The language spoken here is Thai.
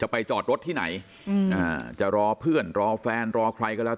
ไปจอดรถที่ไหนจะรอเพื่อนรอแฟนรอใครก็แล้ว